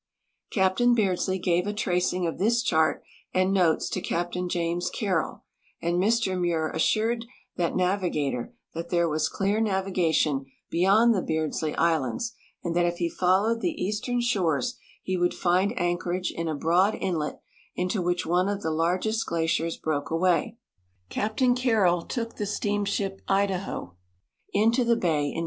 Captain Beardslee gave a tracing of this chart and notes to Captain James Carroll, and Mr Muir assured that navigator that there was clear navigation beyond the Beardslee islands, and tliat if be followed tlie eastern shores he would find anchorage in a broad inlet into which one of the largest glaciers l)roke away. Captain Carroll took the steamsliip Idaho into the bay in